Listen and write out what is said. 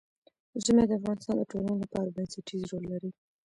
ژمی د افغانستان د ټولنې لپاره بنسټيز رول لري.